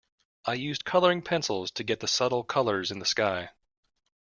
I used colouring pencils to get the subtle colours in the sky.